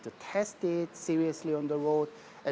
kita perlu mencoba serius di jalan